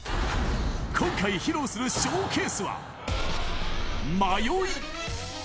今回、披露するショーケースは、迷い。